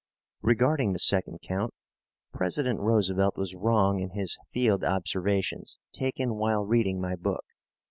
Regarding the second count, President Roosevelt was wrong in his field observations taken while reading my book.